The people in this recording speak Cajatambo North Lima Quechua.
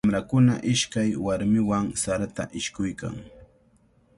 Wamrakuna ishkay warmiwan sarata ishkuykan.